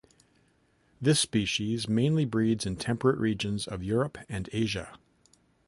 This species mainly breeds in temperate regions of Europe and Asia.